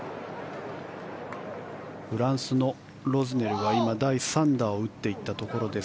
フランスのロズネルは今第３打を打っていったところです。